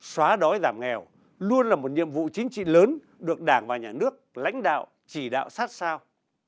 xóa đói giảm nghèo luôn là một nhiệm vụ chính trị lớn được đảng và nhà nước lãnh đạo chỉ đạo sát sao